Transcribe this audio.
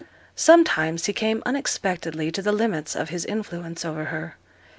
Sometimes he came unexpectedly to the limits of his influence over her.